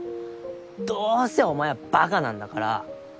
どうせお前はバカなんだから。